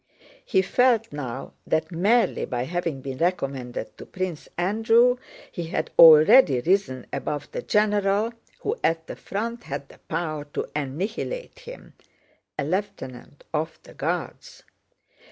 He felt now that merely by having been recommended to Prince Andrew he had already risen above the general who at the front had the power to annihilate him, a lieutenant of the Guards.